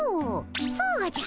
そうじゃ！